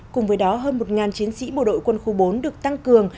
cùng với đó hơn một chiến sĩ bộ đội quân khu bốn được tăng cường